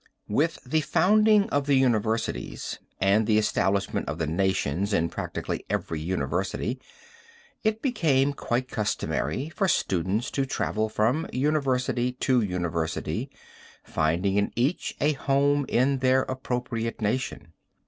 "With the founding of the universities and the establishment of the nations in practically every university, it became quite customary for students to travel from university to university, finding in each a home in their appropriate nation.